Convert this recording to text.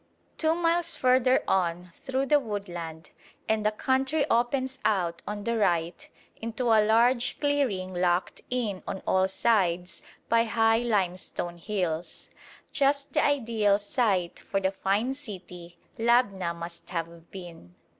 Two miles further on through the woodland and the country opens out on the right into a large clearing locked in on all sides by high limestone hills, just the ideal site for the fine city Labna must have been.